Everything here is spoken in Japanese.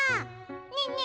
ねえねえ